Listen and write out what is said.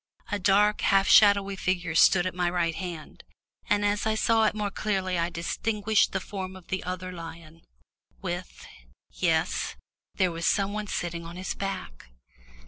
A dark, half shadowy figure stood at my right hand, and as I saw it more clearly I distinguished the form of the other lion, with yes, there was some one sitting on his back.